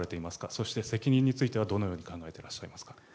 そして責任についてはどのように考えていらっしゃいますか。